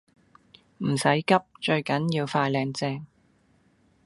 唔使急，最緊要快靚正